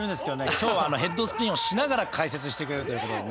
今日はヘッドスピンをしながら解説してくれるということでね。